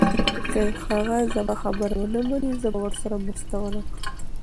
که هغه زما خبره ونه مني، زه به ورسره مرسته ونه کړم.